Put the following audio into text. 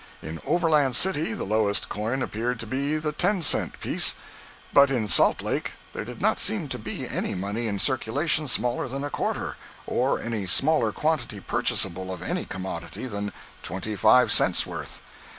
In Overland City the lowest coin appeared to be the ten cent piece; but in Salt Lake there did not seem to be any money in circulation smaller than a quarter, or any smaller quantity purchasable of any commodity than twenty five cents' worth.